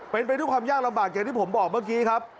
เป็นไปด้วยความยากลำบากอย่างที่ผมบอกเมื่อกี้ครับ